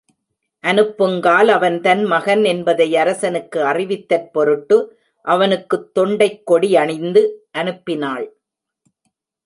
அனுப்புங்கால், அவன் தன் மகன் என்பதை அரசனுக்கு அறிவித்தற் பொருட்டு, அவனுக்குத் தொண்டைக் கொடி யணிந்து அனுப்பினாள்.